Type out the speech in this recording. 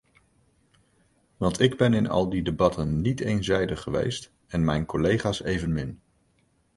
Want ik ben in al die debatten niet eenzijdig geweest, en mijn collega's evenmin.